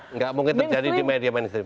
nggak mungkin terjadi di media mainstream